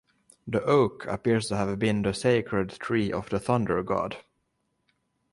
The oak appears to have been the sacred tree of the thunder god.